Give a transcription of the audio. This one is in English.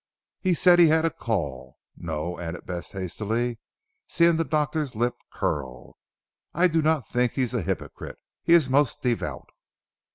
"He said he had a call. No!" added Bess hastily seeing the doctor's lip curl, "I do not think he is a hypocrite. He is most devout."